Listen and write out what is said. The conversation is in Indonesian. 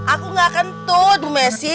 aku gak akan jalan sama sate